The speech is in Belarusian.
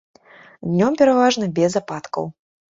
Днём пераважна без ападкаў.